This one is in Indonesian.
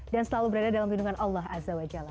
dan selalu berada dalam pindungan allah azza wa jalla